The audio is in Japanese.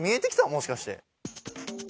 もしかして。